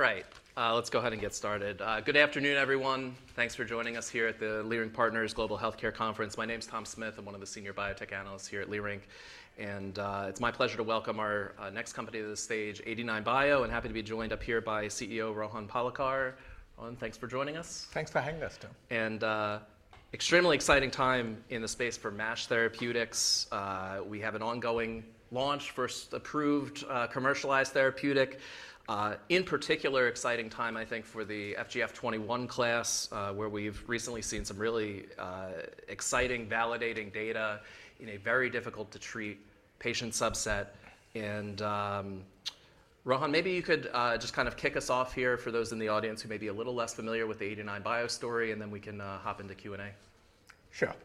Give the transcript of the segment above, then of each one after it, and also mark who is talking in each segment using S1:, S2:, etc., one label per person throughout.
S1: All right, let's go ahead and get started. Good afternoon, everyone. Thanks for joining us here at the Leerink Partners Global Healthcare Conference. My name is Tom Smith. I'm one of the senior biotech analysts here at Leerink. It's my pleasure to welcome our next company to the stage, 89bio. Happy to be joined up here by CEO Rohan Palekar. Rohan, thanks for joining us.
S2: Thanks for having us, Tom.
S1: An extremely exciting time in the space for MASH therapeutics. We have an ongoing launch, first approved, commercialized therapeutic. In particular, exciting time, I think, for the FGF21 class, where we've recently seen some really exciting, validating data in a very difficult-to-treat patient subset. Rohan, maybe you could just kind of kick us off here for those in the audience who may be a little less familiar with the 89bio story, and then we can hop into Q&A.
S2: Sure.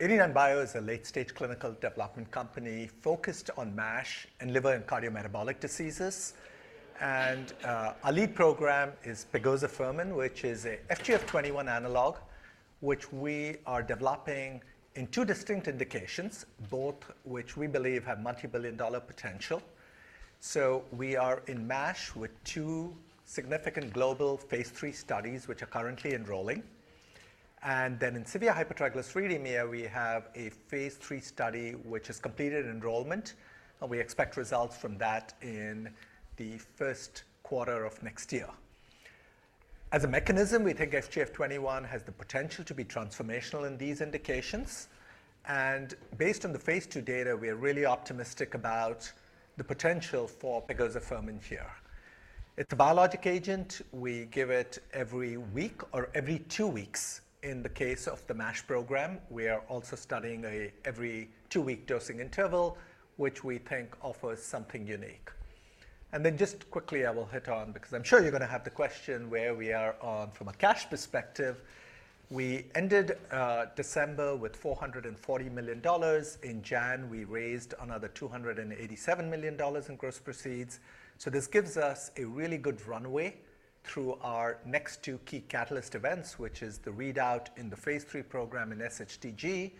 S2: 89bio is a late-stage clinical development company focused on MASH and liver and cardiometabolic diseases. Our lead program is pegozafermin, which is an FGF21 analog, which we are developing in two distinct indications, both which we believe have multibillion-dollar potential. We are in MASH with two significant global phase 3 studies, which are currently enrolling. In severe hypertriglyceridemia, we have a phase 3 study, which has completed enrollment. We expect results from that in the first quarter of next year. As a mechanism, we think FGF21 has the potential to be transformational in these indications. Based on the phase 2 data, we are really optimistic about the potential for pegozafermin here. It's a biologic agent. We give it every week or every two weeks. In the case of the MASH program, we are also studying an every two-week dosing interval, which we think offers something unique. I will hit on, because I'm sure you're going to have the question where we are on from a cash perspective. We ended December with $440 million. In January, we raised another $287 million in gross proceeds. This gives us a really good runway through our next two key catalyst events, which is the readout in the phase 3 program in SHTG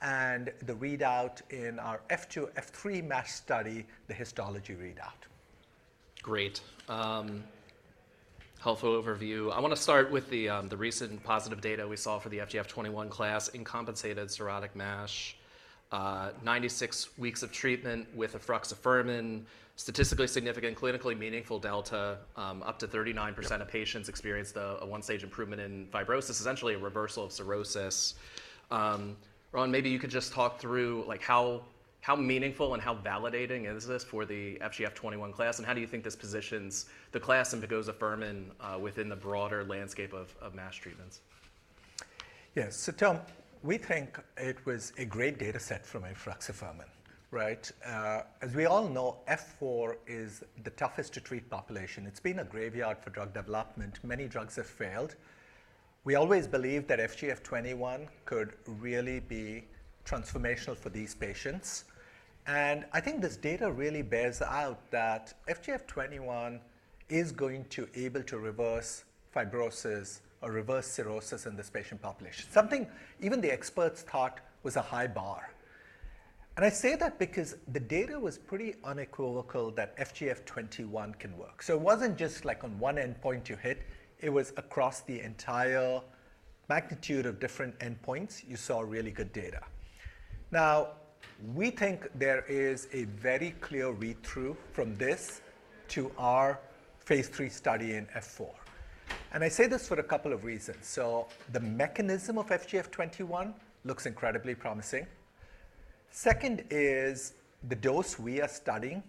S2: and the readout in our F2-F3 MASH study, the histology readout.
S1: Great. Helpful overview. I want to start with the recent positive data we saw for the FGF21 class in compensated cirrhotic MASH, 96 weeks of treatment with efruxifermin, statistically significant, clinically meaningful delta. Up to 39% of patients experienced a one-stage improvement in fibrosis, essentially a reversal of cirrhosis. Rohan, maybe you could just talk through how meaningful and how validating is this for the FGF21 class? How do you think this positions the class and pegozafermin within the broader landscape of MASH treatments?
S2: Yes. Tom, we think it was a great data set from efruxifermin, right? As we all know, F4 is the toughest to treat population. It has been a graveyard for drug development. Many drugs have failed. We always believed that FGF21 could really be transformational for these patients. I think this data really bears out that FGF21 is going to be able to reverse fibrosis or reverse cirrhosis in this patient population, something even the experts thought was a high bar. I say that because the data was pretty unequivocal that FGF21 can work. It was not just like on one endpoint you hit. It was across the entire magnitude of different endpoints. You saw really good data. We think there is a very clear read-through from this to our phase 3 study in F4. I say this for a couple of reasons. The mechanism of FGF21 looks incredibly promising. Second is the dose we are studying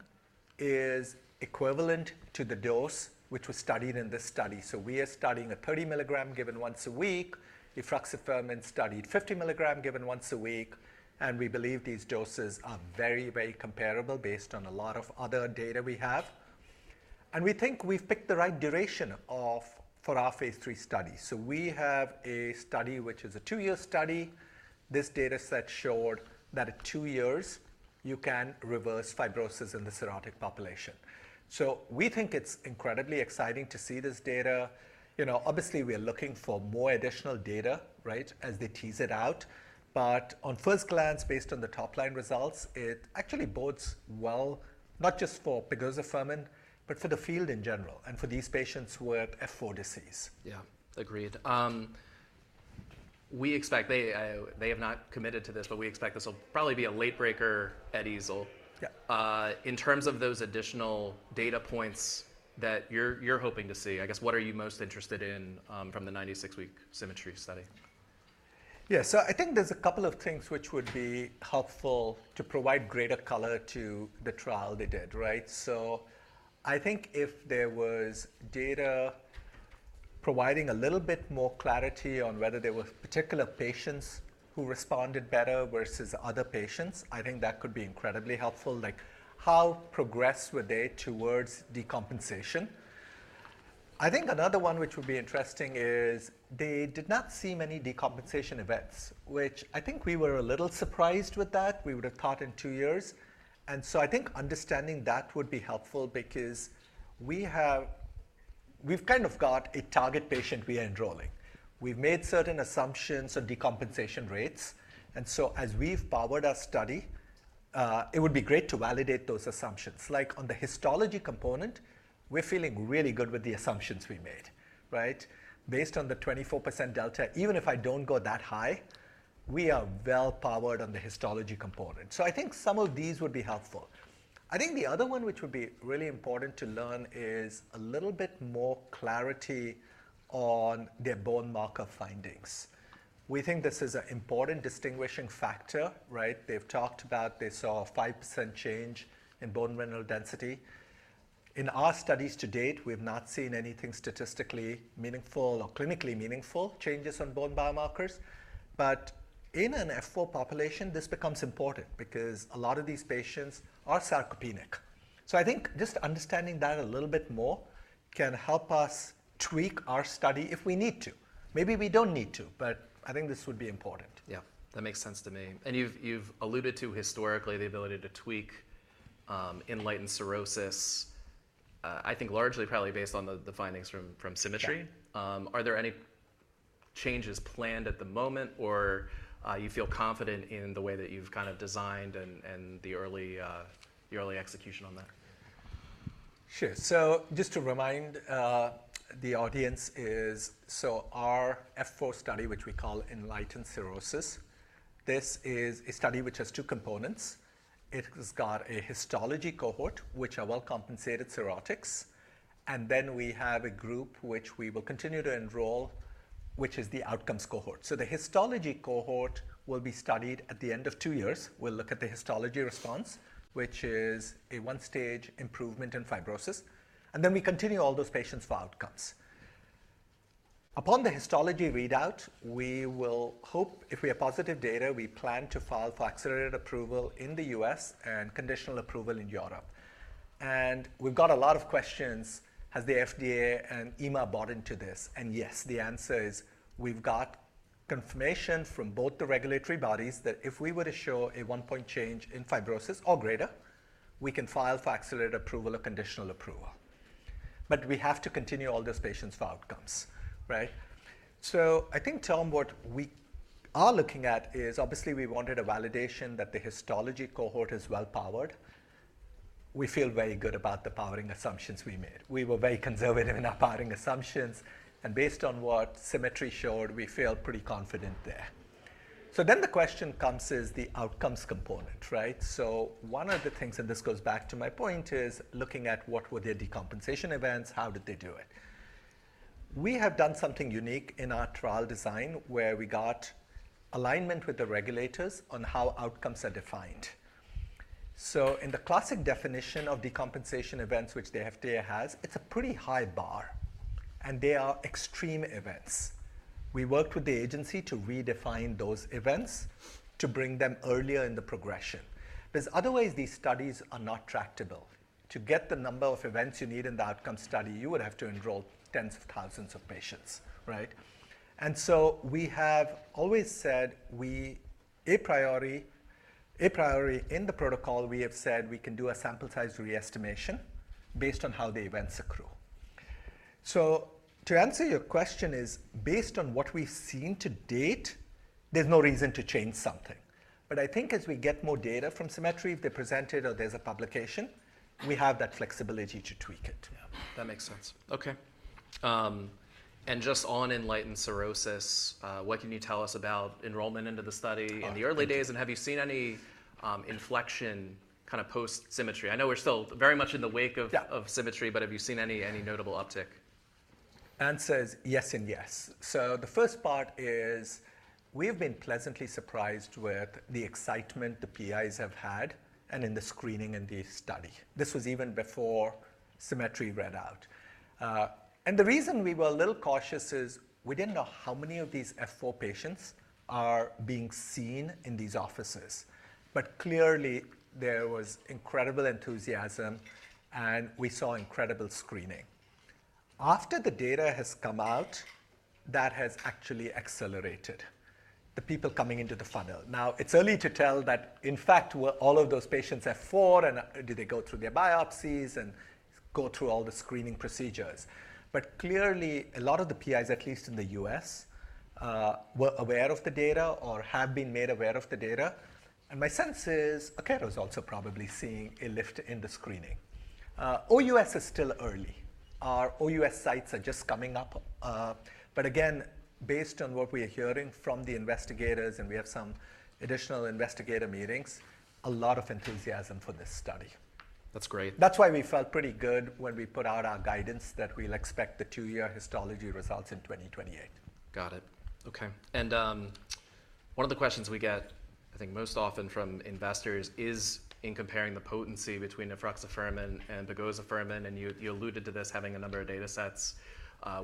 S2: is equivalent to the dose which was studied in this study. We are studying a 30 milligram given once a week. Efruxifermin studied 50 milligram given once a week. We believe these doses are very, very comparable based on a lot of other data we have. We think we have picked the right duration for our phase 3 study. We have a study which is a 2 year study. This data set showed that at two years, you can reverse fibrosis in the cirrhotic population. We think it is incredibly exciting to see this data. Obviously, we are looking for more additional data, right, as they tease it out. On first glance, based on the top-line results, it actually bodes well, not just for pegozafermin, but for the field in general and for these patients who have F4 disease.
S1: Yeah, agreed. We expect they have not committed to this, but we expect this will probably be a late-breaker at EASL. In terms of those additional data points that you're hoping to see, I guess, what are you most interested in from the 96-week SYMMETRY study?
S2: Yeah, so I think there's a couple of things which would be helpful to provide greater color to the trial they did, right? I think if there was data providing a little bit more clarity on whether there were particular patients who responded better versus other patients, I think that could be incredibly helpful. Like how progressed were they towards decompensation? I think another one which would be interesting is they did not see many decompensation events, which I think we were a little surprised with that. We would have thought in two years. I think understanding that would be helpful because we've kind of got a target patient we are enrolling. We've made certain assumptions on decompensation rates. As we've powered our study, it would be great to validate those assumptions. Like on the histology component, we're feeling really good with the assumptions we made, right? Based on the 24% delta, even if I don't go that high, we are well-powered on the histology component. I think some of these would be helpful. I think the other one which would be really important to learn is a little bit more clarity on their bone marker findings. We think this is an important distinguishing factor, right? They've talked about they saw a 5% change in bone mineral density. In our studies to date, we have not seen anything statistically meaningful or clinically meaningful changes on bone biomarkers. In an F4 population, this becomes important because a lot of these patients are sarcopenic. I think just understanding that a little bit more can help us tweak our study if we need to. Maybe we don't need to, but I think this would be important.
S1: Yeah, that makes sense to me. You have alluded to historically the ability to tweak enlightened cirrhosis, I think largely probably based on the findings from symmetry. Are there any changes planned at the moment or you feel confident in the way that you have kind of designed and the early execution on that?
S2: Sure. Just to remind the audience, our F4 study, which we call ENLIGHTEN-Cirrhosis, is a study which has two components. It has a histology cohort, which are well-compensated cirrhotics. We have a group which we will continue to enroll, which is the outcomes cohort. The histology cohort will be studied at the end of two years. We will look at the histology response, which is a 1 stage improvement in fibrosis. We continue all those patients for outcomes. Upon the histology readout, we hope if we have positive data, we plan to file for accelerated approval in the U.S. and conditional approval in Europe. We have got a lot of questions. Has the FDA and EMA bought into this? Yes, the answer is we've got confirmation from both the regulatory bodies that if we were to show a 1 point change in fibrosis or greater, we can file for accelerated approval or conditional approval. We have to continue all those patients for outcomes, right? I think, Tom, what we are looking at is obviously we wanted a validation that the histology cohort is well-powered. We feel very good about the powering assumptions we made. We were very conservative in our powering assumptions. Based on what SYMMETRY showed, we feel pretty confident there. The question comes is the outcomes component, right? One of the things, and this goes back to my point, is looking at what were their decompensation events, how did they do it? We have done something unique in our trial design where we got alignment with the regulators on how outcomes are defined. In the classic definition of decompensation events, which the FDA has, it's a pretty high bar. They are extreme events. We worked with the agency to redefine those events to bring them earlier in the progression. Because otherwise, these studies are not tractable. To get the number of events you need in the outcome study, you would have to enroll tens of thousands of patients, right? We have always said we a priori in the protocol, we have said we can do a sample size re-estimation based on how the events accrue. To answer your question, based on what we've seen to date, there's no reason to change something. I think as we get more data from SYMMETRY, if they present it or there's a publication, we have that flexibility to tweak it.
S1: Yeah, that makes sense. OK. And just on enlightened cirrhosis, what can you tell us about enrollment into the study in the early days? And have you seen any inflection kind of post-SYMMETRY? I know we're still very much in the wake of SYMMETRY, but have you seen any notable uptick?
S2: Answer is yes and yes. The first part is we've been pleasantly surprised with the excitement the PIs have had and in the screening in the study. This was even before SYMMETRY read out. The reason we were a little cautious is we didn't know how many of these F4 patients are being seen in these offices. Clearly, there was incredible enthusiasm, and we saw incredible screening. After the data has come out, that has actually accelerated the people coming into the funnel. Now, it's early to tell that, in fact, all of those patients have F4, and do they go through their biopsies and go through all the screening procedures? Clearly, a lot of the PIs, at least in the US, were aware of the data or have been made aware of the data. My sense is Akero is also probably seeing a lift in the screening. OUS is still early. Our OUS sites are just coming up. Again, based on what we are hearing from the investigators, and we have some additional investigator meetings, a lot of enthusiasm for this study.
S1: That's great.
S2: That's why we felt pretty good when we put out our guidance that we'll expect the 2 year histology results in 2028.
S1: Got it. OK. One of the questions we get, I think, most often from investors is in comparing the potency between efruxifermin and pegozafermin. You alluded to this, having a number of data sets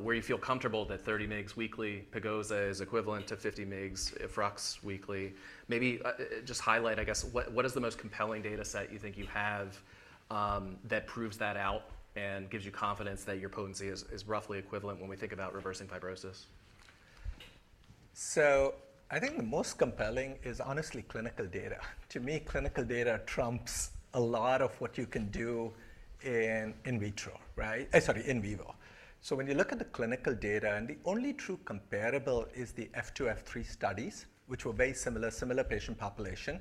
S1: where you feel comfortable that 30 mg weekly pegozafermin is equivalent to 50 mg efruxifermin weekly. Maybe just highlight, I guess, what is the most compelling data set you think you have that proves that out and gives you confidence that your potency is roughly equivalent when we think about reversing fibrosis?
S2: I think the most compelling is honestly clinical data. To me, clinical data trumps a lot of what you can do in vitro, right? Sorry, in vivo. When you look at the clinical data, and the only true comparable is the F2-F3 studies, which were very similar, similar patient population.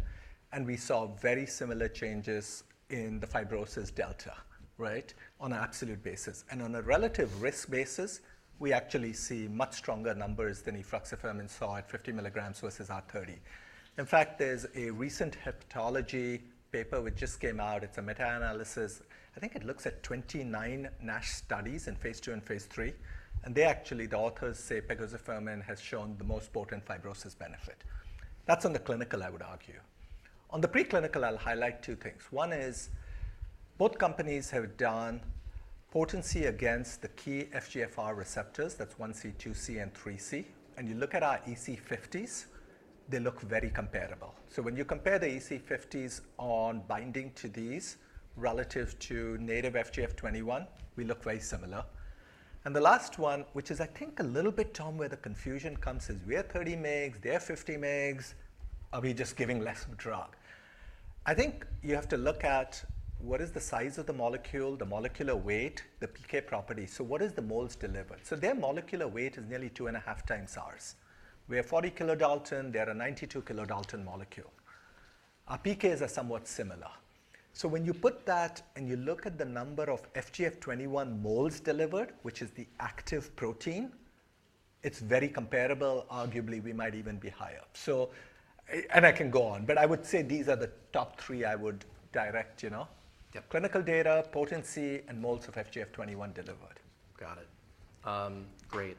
S2: We saw very similar changes in the fibrosis delta, right, on an absolute basis. On a relative risk basis, we actually see much stronger numbers than efruxifermin saw at 50 mg versus our 30. In fact, there is a recent hepatology paper which just came out. It is a meta-analysis. I think it looks at 29 NASH studies in phase 2 and phase 3. The authors say pegozafermin has shown the most potent fibrosis benefit. That is on the clinical, I would argue. On the preclinical, I will highlight two things. One is both companies have done potency against the key FGFR receptors. That's 1C, 2C, and 3C. You look at our EC50s, they look very comparable. When you compare the EC50s on binding to these relative to native FGF21, we look very similar. The last one, which is I think a little bit, Tom, where the confusion comes is we are 30 mg, they are 50 mg. Are we just giving less of a drug? I think you have to look at what is the size of the molecule, the molecular weight, the PK properties. What is the moles delivered? Their molecular weight is nearly two and a half times ours. We are 40 kilodalton. They are a 92 kilodalton molecule. Our PKs are somewhat similar. When you put that and you look at the number of FGF21 moles delivered, which is the active protein, it's very comparable. Arguably, we might even be higher. I can go on. I would say these are the top three I would direct, you know, clinical data, potency, and moles of FGF21 delivered.
S1: Got it. Great.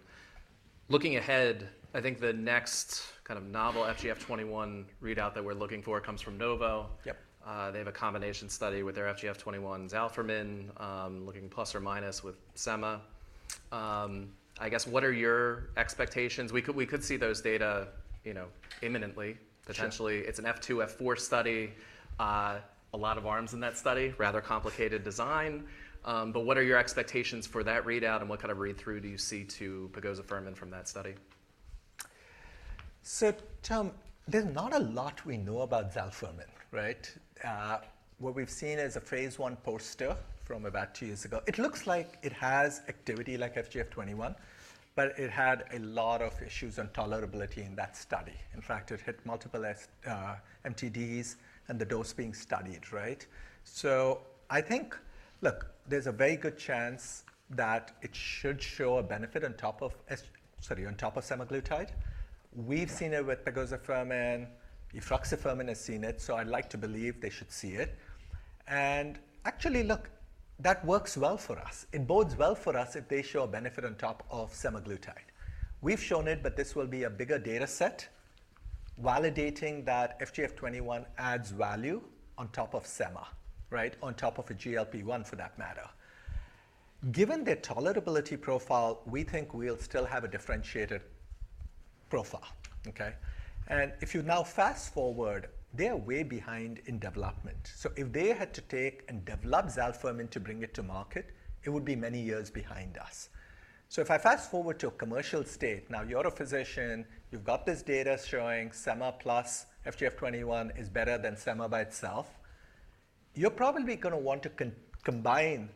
S1: Looking ahead, I think the next kind of novel FGF21 readout that we're looking for comes from Novo. They have a combination study with their FGF21's alfermin, looking plus or minus with SEMA. I guess, what are your expectations? We could see those data imminently, potentially. It's an F2-F4 study. A lot of arms in that study, rather complicated design. What are your expectations for that readout? What kind of read-through do you see to pegozafermin from that study?
S2: Tom, there's not a lot we know about the alfermin, right? What we've seen is a phase I poster from about two years ago. It looks like it has activity like FGF21, but it had a lot of issues on tolerability in that study. In fact, it hit multiple MTDs and the dose being studied, right? I think, look, there's a very good chance that it should show a benefit on top of, sorry, on top of semaglutide. We've seen it with pegozafermin. Efruxifermin has seen it. I'd like to believe they should see it. Actually, look, that works well for us. It bodes well for us if they show a benefit on top of semaglutide. We've shown it, but this will be a bigger data set validating that FGF21 adds value on top of sema, right, on top of a GLP-1 for that matter. Given their tolerability profile, we think we'll still have a differentiated profile, OK? If you now fast forward, they are way behind in development. If they had to take and develop Zalfermin to bring it to market, it would be many years behind us. If I fast forward to a commercial state, now you're a physician, you've got this data showing SEMA plus FGF21 is better than SEMA by itself, you're probably going to want to combine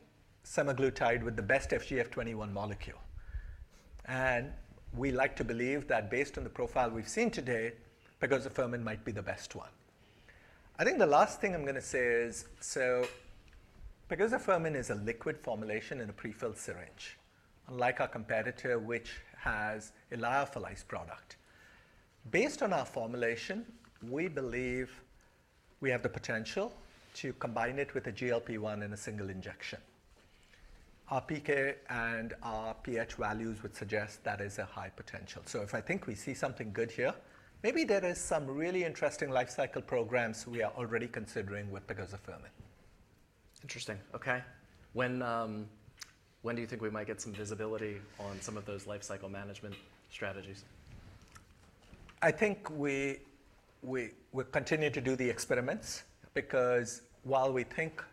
S2: semaglutide with the best FGF21 molecule. We like to believe that based on the profile we've seen today, pegozafermin might be the best one. I think the last thing I'm going to say is, pegozafermin is a liquid formulation in a prefilled syringe, unlike our competitor, which has a lyophilized product. Based on our formulation, we believe we have the potential to combine it with a GLP-1 in a single injection. Our PK and our pH values would suggest that is a high potential. If I think we see something good here, maybe there is some really interesting lifecycle programs we are already considering with pegozafermin.
S1: Interesting. OK. When do you think we might get some visibility on some of those lifecycle management strategies?
S2: I think we continue to do the experiments because while we think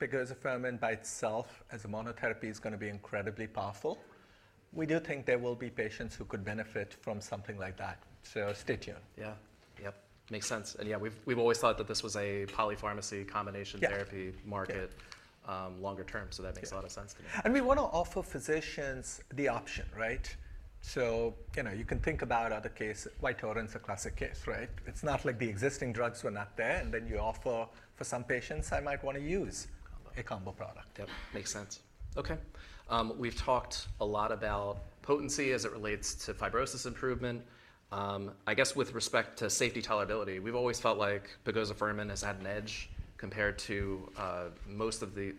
S2: pegozafermin by itself as a monotherapy is going to be incredibly powerful, we do think there will be patients who could benefit from something like that. So stay tuned.
S1: Yeah. Yep. Makes sense. Yeah, we've always thought that this was a polypharmacy combination therapy market longer term. That makes a lot of sense to me.
S2: We want to offer physicians the option, right? You can think about other cases. Vytorin is a classic case, right? It is not like the existing drugs were not there. You offer, for some patients, I might want to use a combo product.
S1: Yep. Makes sense. OK. We've talked a lot about potency as it relates to fibrosis improvement. I guess with respect to safety tolerability, we've always felt like pegozafermin has had an edge compared to most of the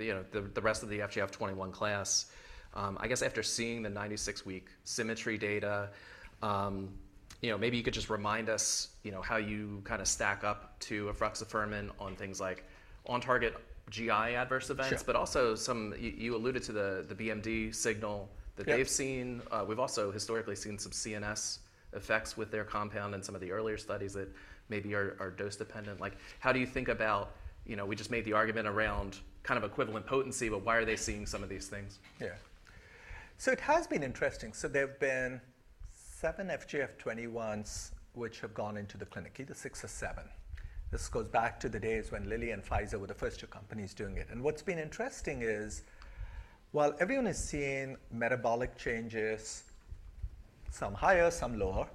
S1: rest of the FGF21 class. I guess after seeing the 96-week SYMMETRY data, maybe you could just remind us how you kind of stack up to efruxifermin on things like on-target GI adverse events, but also some you alluded to the BMD signal that they've seen. We've also historically seen some CNS effects with their compound in some of the earlier studies that maybe are dose-dependent. How do you think about we just made the argument around kind of equivalent potency, but why are they seeing some of these things?
S2: Yeah. It has been interesting. There have been seven FGF21s which have gone into the clinic, either six or seven. This goes back to the days when Lilly and Pfizer were the first two companies doing it. What's been interesting is while everyone is seeing metabolic changes, some higher, some lower,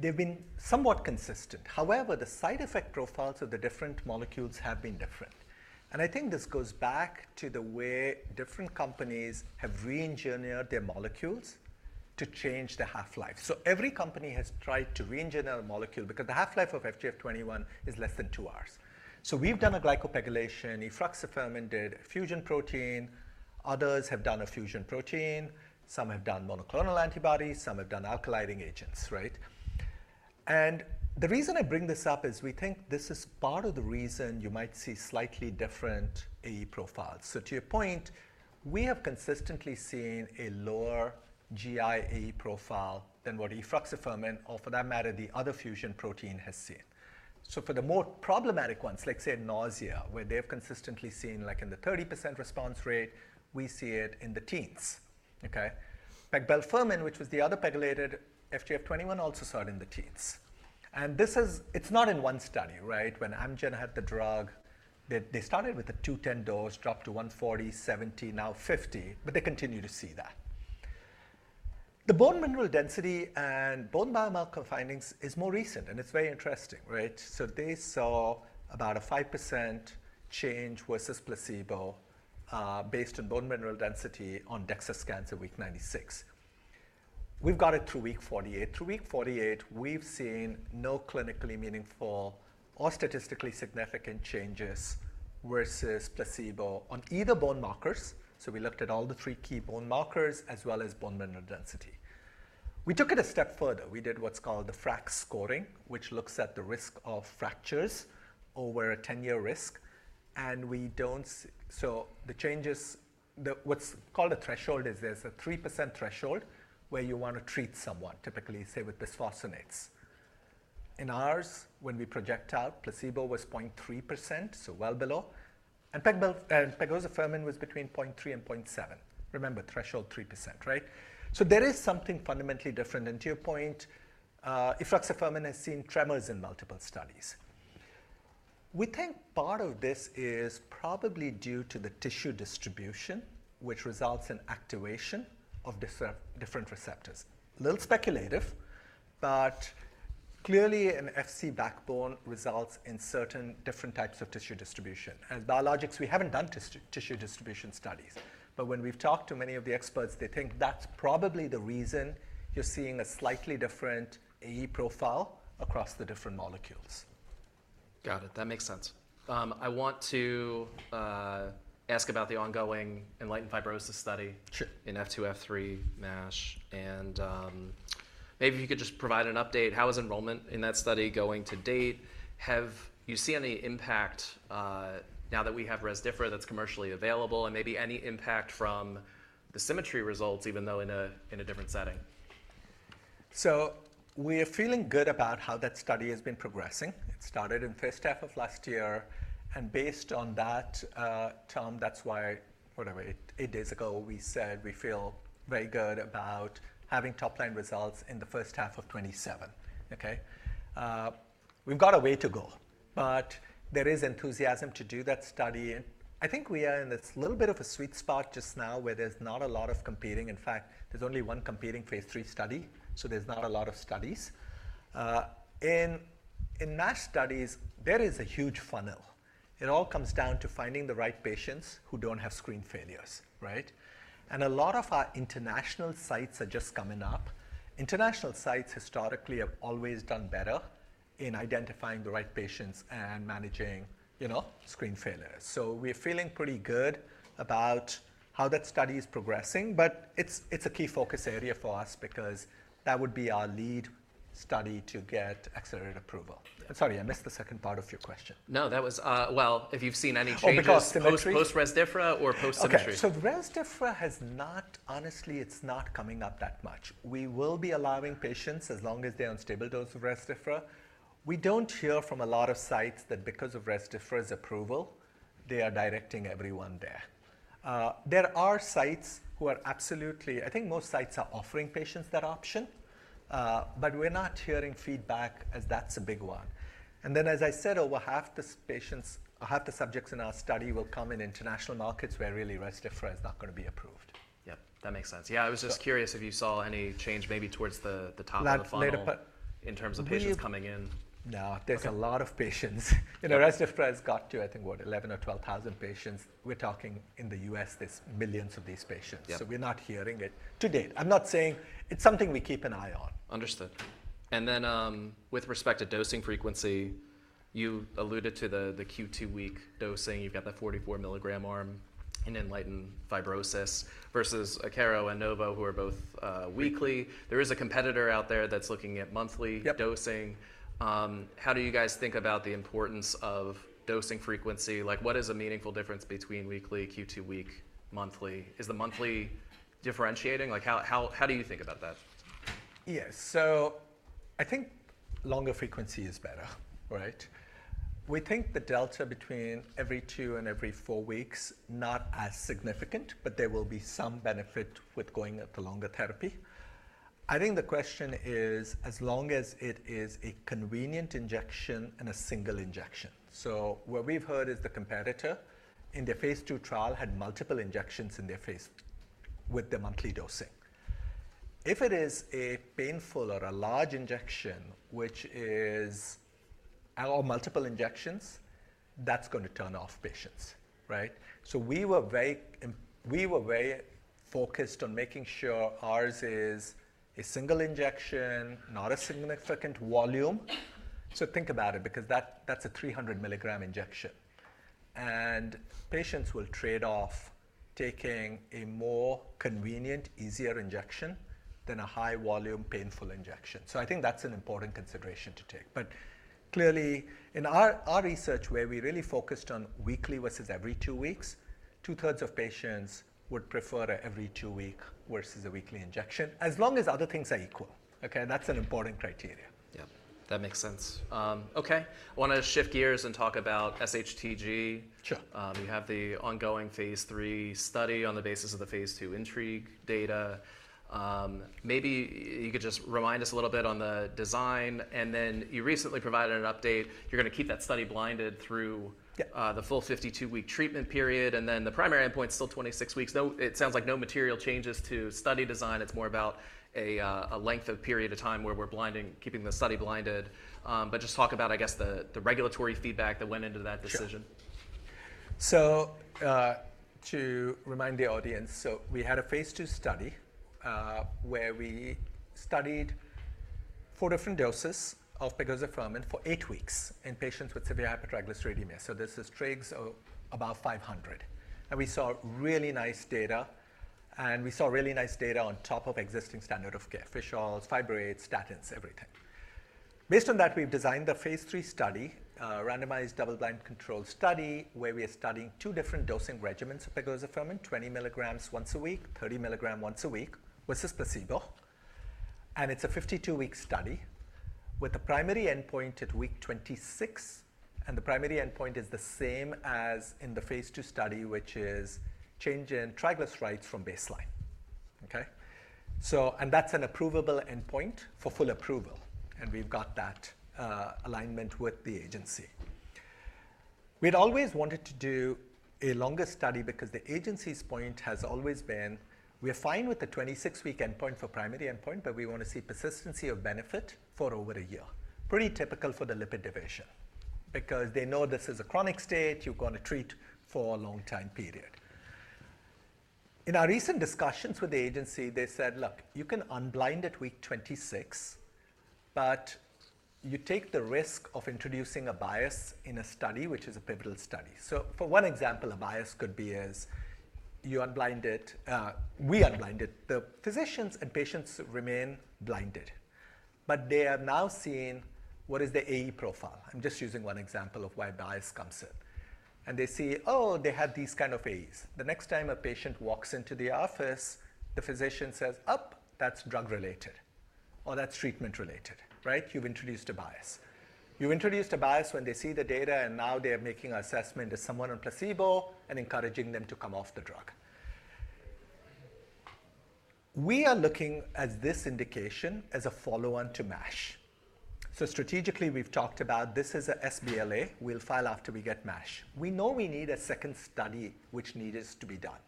S2: they've been somewhat consistent. However, the side effect profiles of the different molecules have been different. I think this goes back to the way different companies have re-engineered their molecules to change the half-life. Every company has tried to re-engineer a molecule because the half-life of FGF21 is less than two hours. We've done a glycopegylation. Efruxifermin did a fusion protein. Others have done a fusion protein. Some have done monoclonal antibodies. Some have done alkalizing agents, right? The reason I bring this up is we think this is part of the reason you might see slightly different AE profiles. To your point, we have consistently seen a lower GI AE profile than what efruxifermin, or for that matter, the other fusion protein has seen. For the more problematic ones, like say nausea, where they have consistently seen like in the 30% response rate, we see it in the teens. Pegozafermin, which was the other pegylated FGF21, also saw it in the teens. It is not in one study, right? When Amgen had the drug, they started with a 210 dose, dropped to 140, 70, now 50, but they continue to see that. The bone mineral density and bone biomarker findings is more recent, and it is very interesting, right? They saw about a 5% change versus placebo based on bone mineral density on DEXA scans at week 96. We've got it through week 48. Through week 48, we've seen no clinically meaningful or statistically significant changes versus placebo on either bone markers. We looked at all the three key bone markers as well as bone mineral density. We took it a step further. We did what's called the FRAX scoring, which looks at the risk of fractures over a 10-year risk. The changes, what's called a threshold, is there's a 3% threshold where you want to treat someone, typically, say, with bisphosphonates. In ours, when we project out, placebo was 0.3%, so well below. Pegozafermin was between 0.3 to 0.7%. Remember, threshold 3%, right? There is something fundamentally different. To your point, efruxifermin has seen tremors in multiple studies. We think part of this is probably due to the tissue distribution, which results in activation of different receptors. A little speculative, but clearly an Fc backbone results in certain different types of tissue distribution. Biologics, we have not done tissue distribution studies. When we have talked to many of the experts, they think that is probably the reason you are seeing a slightly different AE profile across the different molecules.
S1: Got it. That makes sense. I want to ask about the ongoing ENLIGHTEN-Fibrosis study in F2-F3 NASH. If you could just provide an update, how is enrollment in that study going to date? Have you seen any impact now that we have Rezdiffra that is commercially available? Maybe any impact from the SYMMETRY results, even though in a different setting?
S2: We are feeling good about how that study has been progressing. It started in the first half of last year. Based on that, Tom, that's why eight days ago we said we feel very good about having top-line results in the first half of 2027, OK? We've got a way to go. There is enthusiasm to do that study. I think we are in this little bit of a sweet spot just now where there's not a lot of competing. In fact, there's only one competing phase 3 study. There's not a lot of studies. In NASH studies, there is a huge funnel. It all comes down to finding the right patients who do not have screen failures, right? A lot of our international sites are just coming up. International sites historically have always done better in identifying the right patients and managing screen failures. We are feeling pretty good about how that study is progressing. It is a key focus area for us because that would be our lead study to get accelerated approval. I'm sorry, I missed the second part of your question.
S1: No, that was, if you've seen any changes post-Rezdiffra or post-SYMMETRY?
S2: OK. Rezdiffra has not, honestly, it's not coming up that much. We will be allowing patients as long as they're on stable dose of Rezdiffra. We don't hear from a lot of sites that because of Rezdiffra's approval, they are directing everyone there. There are sites who are absolutely, I think most sites are offering patients that option. We're not hearing feedback as that's a big one. As I said, over half the patients, half the subjects in our study will come in international markets where really Rezdiffra is not going to be approved.
S1: Yep. That makes sense. Yeah, I was just curious if you saw any change maybe towards the top of the funnel in terms of patients coming in.
S2: No. There's a lot of patients. Rezdiffra has got to, I think, what, 11,000 or 12,000 patients. We're talking in the U.S., there's millions of these patients. We're not hearing it to date. I'm not saying it's something we keep an eye on.
S1: Understood. With respect to dosing frequency, you alluded to the Q2 week dosing. You've got the 44 milligram arm in ENLIGHTEN-Fibrosis versus Akero and Novo, who are both weekly. There is a competitor out there that's looking at monthly dosing. How do you guys think about the importance of dosing frequency? What is a meaningful difference between weekly, Q2 week, monthly? Is the monthly differentiating? How do you think about that?
S2: Yeah. I think longer frequency is better, right? We think the delta between every two and every four weeks is not as significant, but there will be some benefit with going at the longer therapy. I think the question is, as long as it is a convenient injection and a single injection. What we've heard is the competitor in their phase 2 trial had multiple injections in their phase with the monthly dosing. If it is a painful or a large injection, which is multiple injections, that is going to turn off patients, right? We were very focused on making sure ours is a single injection, not a significant volume. Think about it, because that is a 300 milligram injection. Patients will trade off taking a more convenient, easier injection than a high-volume, painful injection. I think that is an important consideration to take. Clearly, in our research, where we really focused on weekly versus every two weeks, two-thirds of patients would prefer an every 2 week versus a weekly injection, as long as other things are equal. OK? That's an important criteria.
S1: Yep. That makes sense. OK. I want to shift gears and talk about SHTG. You have the ongoing phase 3 study on the basis of the phase 2 ENTRIGUE data. Maybe you could just remind us a little bit on the design. You recently provided an update. You're going to keep that study blinded through the full 52-week treatment period. The primary endpoint is still 26 weeks. It sounds like no material changes to study design. It's more about a length of period of time where we're keeping the study blinded. Just talk about, I guess, the regulatory feedback that went into that decision.
S2: To remind the audience, we had a phase 2 study where we studied four different doses of pegozafermin for eight weeks in patients with severe hypertriglyceridemia. This is trigs of about 500. We saw really nice data. We saw really nice data on top of existing standard of care: fish oils, fibrates, statins, everything. Based on that, we've designed the phase 3 study, a randomized double-blind control study, where we are studying two different dosing regimens of pegozafermin: 20 milligrams once a week, 30 milligrams once a week versus placebo. It is a 52-week study with a primary endpoint at week 26. The primary endpoint is the same as in the phase 2 study, which is change in triglycerides from baseline. That is an approvable endpoint for full approval. We've got that alignment with the agency. We'd always wanted to do a longer study because the agency's point has always been, we're fine with the 26-week endpoint for primary endpoint, but we want to see persistency of benefit for over a year, pretty typical for the lipid division, because they know this is a chronic state. You're going to treat for a long time period. In our recent discussions with the agency, they said, look, you can unblind at week 26, but you take the risk of introducing a bias in a study, which is a pivotal study. For one example, a bias could be as you unblind it, we unblind it, the physicians and patients remain blinded. They are now seeing what is the AE profile. I'm just using one example of why bias comes in. They see, oh, they had these kind of AEs. The next time a patient walks into the office, the physician says, oh, that's drug-related or that's treatment-related, right? You've introduced a bias. You've introduced a bias when they see the data, and now they are making an assessment of someone on placebo and encouraging them to come off the drug. We are looking at this indication as a follow-on to NASH. Strategically, we've talked about this is an SBLA. We'll file after we get NASH. We know we need a second study, which needs to be done.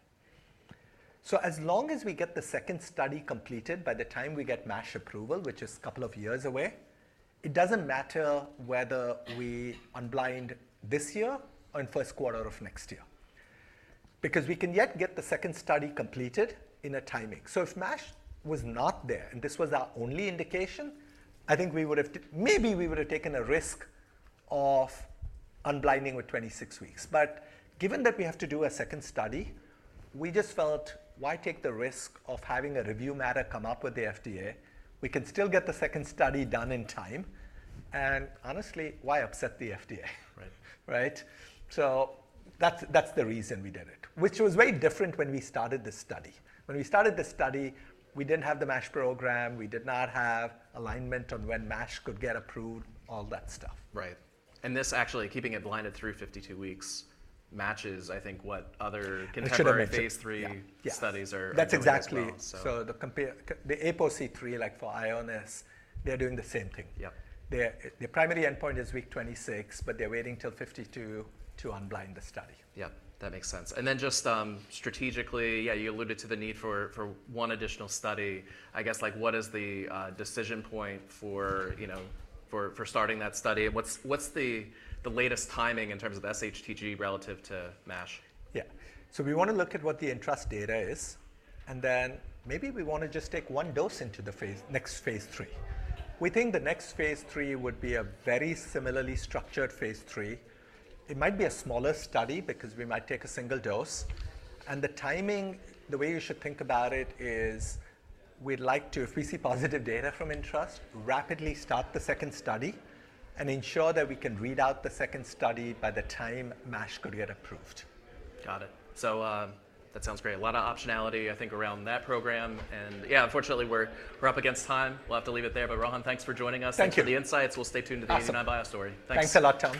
S2: As long as we get the second study completed by the time we get NASH approval, which is a couple of years away, it doesn't matter whether we unblind this year or in the first quarter of next year, because we can yet get the second study completed in a timing. If NASH was not there, and this was our only indication, I think we would have, maybe we would have taken a risk of unblinding with 26 weeks. Given that we have to do a second study, we just felt, why take the risk of having a review matter come up with the FDA? We can still get the second study done in time. Honestly, why upset the FDA, right? That is the reason we did it, which was very different when we started this study. When we started this study, we did not have the NASH program. We did not have alignment on when NASH could get approved, all that stuff.
S1: Right. This actually, keeping it blinded through 52 weeks matches, I think, what other competitor phase 3 studies are doing.
S2: That's exactly. The APOC3, like for Ionis, they're doing the same thing. Their primary endpoint is week 26, but they're waiting till 52 to unblind the study.
S1: Yep. That makes sense. Just strategically, yeah, you alluded to the need for one additional study. I guess, what is the decision point for starting that study? What's the latest timing in terms of SHTG relative to NASH?
S2: Yeah. So we want to look at what the ENTRUST data is. And then maybe we want to just take one dose into the next phase 3. We think the next phase 3 would be a very similarly structured phase 3. It might be a smaller study because we might take a single dose. And the timing, the way you should think about it is we'd like to, if we see positive data from ENTRUST, rapidly start the second study and ensure that we can read out the second study by the time NASH could get approved.
S1: Got it. That sounds great. A lot of optionality, I think, around that program. Yeah, unfortunately, we're up against time. We'll have to leave it there. Rohan, thanks for joining us.
S2: Thank you.
S1: you for the insights. We'll stay tuned to the 89bio story. Thanks.
S2: Thanks a lot, Tom.